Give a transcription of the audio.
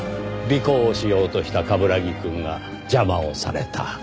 尾行をしようとした冠城くんが邪魔をされた。